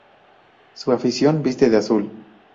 Su afición viste de azul.